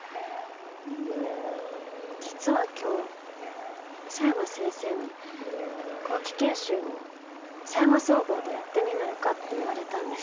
実は今日佐山先生に後期研修を佐山総合でやってみないかって言われたんです。